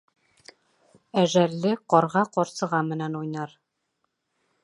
Әжәлле ҡарға ҡарсыға менән уйнар.